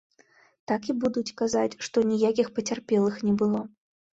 Так і будуць казаць, што ніякіх пацярпелых не было.